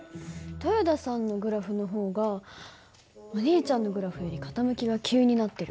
豊田さんのグラフの方がお兄ちゃんのグラフより傾きが急になってる。